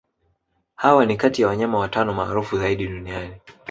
Hawa ni kati ya wanyama watano maarufu zaidi duniani